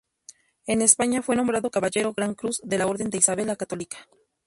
En España fue nombrado caballero gran cruz de la Orden de Isabel la Católica.